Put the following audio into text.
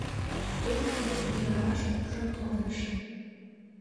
Трук ик ӱдырамаш куржын толеш.